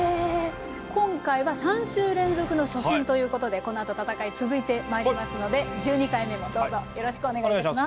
今回は３週連続の初戦ということでこのあと戦い続いてまいりますので１２回目もどうぞよろしくお願いします。